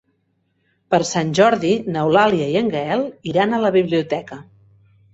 Per Sant Jordi n'Eulàlia i en Gaël iran a la biblioteca.